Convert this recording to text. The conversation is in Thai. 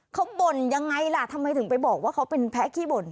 เขาบ่นยังไงล่ะทำไมถึงไปบอกว่าเขาเป็นแพ้ขี้บ่น